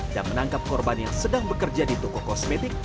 dan menangkap korban yang sedang bekerja di toko kosmetik